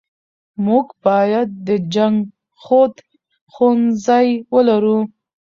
موږ بايد د جنګښود ښوونځی ولرو .